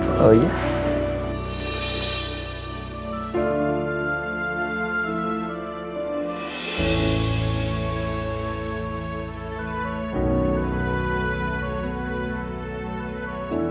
butuh aku bisa cepetin pengingin seseorang pun